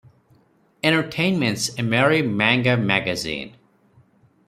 Entertainment's "AmeriManga" magazine.